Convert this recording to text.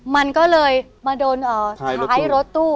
มันก็เลยมาโดนท้ายรถตู้